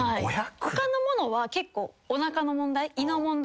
他のものは結構おなかの問題。